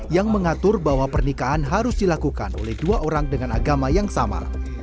yang mengatur bahwa pernikahan harus dilakukan oleh dua orang dengan agama yang sama